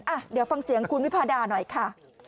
อ่ะเดี๋ยวฟังเสียงคุณวิพาดาหน่อยค่ะ